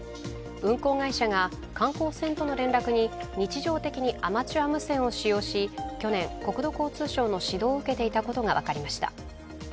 運航会社が観光船との連絡に日常的にアマチュア無線を使用し去年、国土交通省の指導を受けていたことが分かりました。